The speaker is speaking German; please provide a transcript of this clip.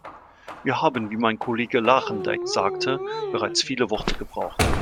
Wir haben, wie mein Kollege Lagendijk sagte, bereits viele Worte gebraucht.